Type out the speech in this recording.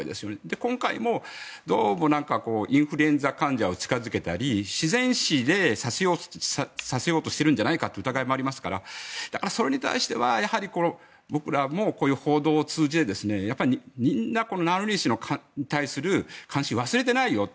今回も、どうもインフルエンザ患者を近付けたり自然死させようとしてるんじゃないかという疑いもありますからそれに対しては、僕らもこういう報道を通じてみんなナワリヌイ氏に対する関心忘れてないよと。